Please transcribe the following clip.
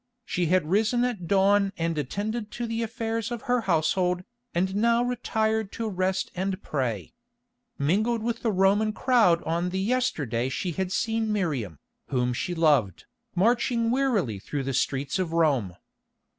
She had risen at dawn and attended to the affairs of her household, and now retired to rest and pray. Mingled with the Roman crowd on the yesterday she had seen Miriam, whom she loved, marching wearily through the streets of Rome.